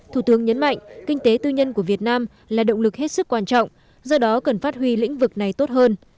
thủ tướng nhấn mạnh kinh tế tư nhân của việt nam là động lực hết sức quan trọng do đó cần phát huy lĩnh vực này tốt hơn